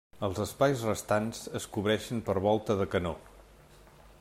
Els espais restants es cobreixen per volta de canó.